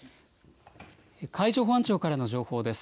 海上保安庁からの情報です。